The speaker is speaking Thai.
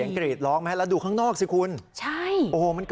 ครับ